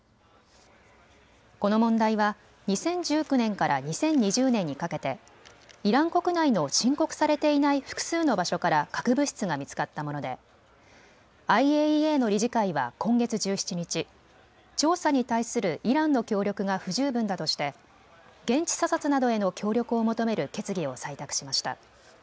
この問題は２０１９年から２０２０年にかけてイラン国内の申告されていない複数の場所から核物質が見つかったもので、ＩＡＥＡの理事会は今月１７日、調査に対するイランの協力が不十分だとして、現地査察などへの協力を求める決議を採択しました。